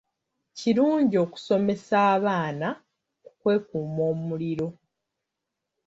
Kirungi okusomesa abaana ku kwekuuma omuliro.